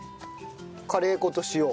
カレー粉と塩。